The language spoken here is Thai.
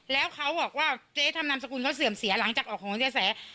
แล้วเขาบอกว่าเจ๊ทำนามสกุลเขาเสื่อมเสียหลังจากออกของเจ๊แส